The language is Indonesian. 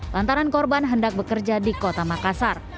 lantaran korban hendak bekerja di kota makassar